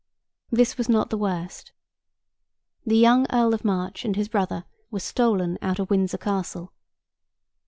This was not the worst. The young Earl of March and his brother were stolen out of Windsor Castle.